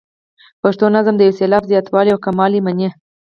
پښتو نظم د یو سېلاب زیاتوالی او کموالی مني.